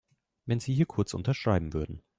Wenn Sie hier kurz unterschreiben würden.